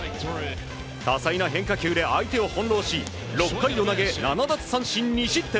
多彩な変化球で相手をほんろうし６回を投げ７奪三振２失点。